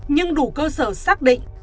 nhưng đủ cơ sở xác định